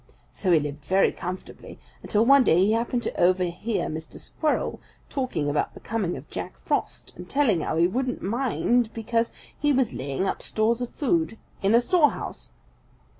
So he lived very comfortably until one day he happened to overhear Mr. Squirrel talking about the coming of Jack Frost and telling how he wouldn't mind because he was laying up stores of food in a storehouse.